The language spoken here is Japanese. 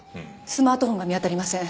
スマートフォンが見当たりません。